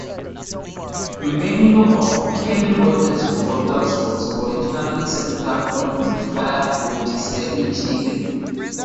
The menu of Kenny Rogers Roasters was originally centered on wood-fired rotisserie chicken.